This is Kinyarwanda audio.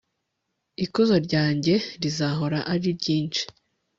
ikuzo ryanjye rizahora ari ryinshi